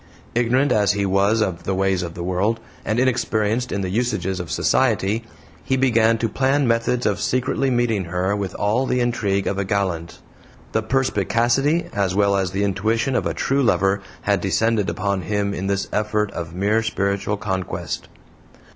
Ignorant as he was of the ways of the world, and inexperienced in the usages of society, he began to plan methods of secretly meeting her with all the intrigue of a gallant. The perspicacity as well as the intuition of a true lover had descended upon him in this effort of mere spiritual conquest.